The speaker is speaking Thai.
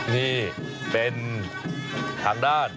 นี่เป็นทางด้าน